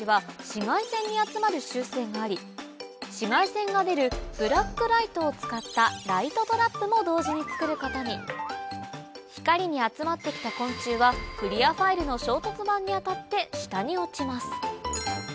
紫外線が出るブラックライトを使ったライトトラップも同時に作ることに光に集まって来た昆虫はクリアファイルの衝突板に当たって下に落ちます